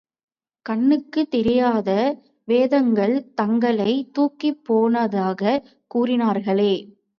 கண்ணுக்குத் தெரியாத வேதாளங்கள் தங்களைத் தூக்கி போனதாகக் கூறினார்களே!